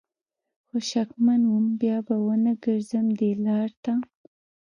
خو شکمن وم بیا به ونه ګرځم دې لار ته